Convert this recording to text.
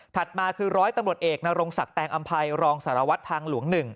ถัดมาคือ๑๐๐ตำรวจเอกนารงสักแตงอำภัยรองสารวัตรทางหลวง๑